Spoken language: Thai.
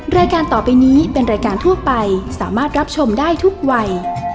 รายการต่อไปนี้เป็นรายการทั่วไปสามารถรับชมได้ทุกวัย